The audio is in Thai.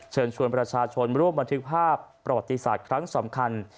เชิญชวนประชาชนร่วมบันทึกภาพประวัติศาสตร์ครั้งสำคัญ